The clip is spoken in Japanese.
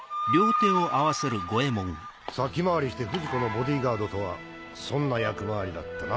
先回りして不二子のボディーガードとは損な役回りだったな。